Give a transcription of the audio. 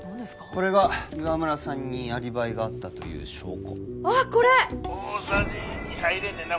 これが岩村さんにアリバイがあったという証拠あっこれ大さじ２杯入れんねんな